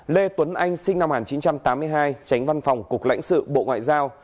lê tuấn anh sinh năm một nghìn chín trăm tám mươi hai tránh văn phòng cục lãnh sự bộ ngoại giao